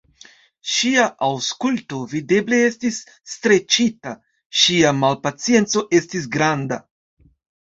Ŝia aŭskulto videble estis streĉita, ŝia malpacienco estis granda.